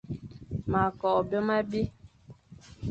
Ma kw byôm abi.